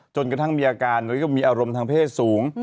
จนกระทั่งมีอาการแล้วก็มีอารมณ์ทางเพศสูง